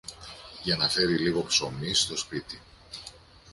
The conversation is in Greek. για να φέρει λίγο ψωμί στο σπίτι.